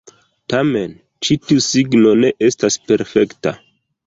Tamen, ĉi tiu signo ne estas perfekta.